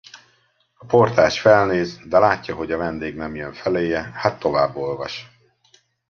A portás felnéz, de látja, hogy a vendég nem jön feléje, hát tovább olvas.